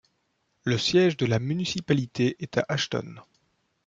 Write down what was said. Le siège de la municipalité est à Ashton.